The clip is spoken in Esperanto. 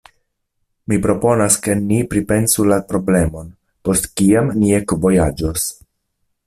Mi proponas, ke ni pripensu la problemon, post kiam ni ekvojaĝos.